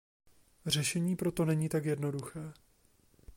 Řešení proto není tak jednoduché.